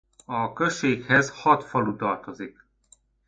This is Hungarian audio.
A községhez hat falu tartozik.